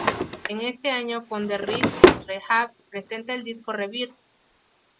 En este año con "The Rhythm Rehab" presenta el disco "Rebirth".